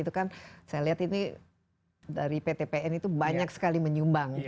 itu kan saya lihat ini dari pt pn itu banyak sekali menyumbang